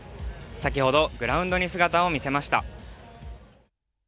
先ほど、グラウンドに姿を見せました。